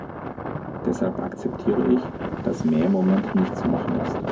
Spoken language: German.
Deshalb akzeptiere ich, dass mehr im Moment nicht zu machen ist.